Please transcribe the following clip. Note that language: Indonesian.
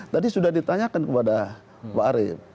tadi sudah ditanyakan kepada pak arief